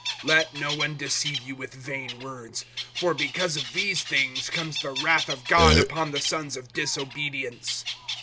(6)Let no one deceive you with vain words; for because of these things comes the wrath of God upon the sons of disobedience.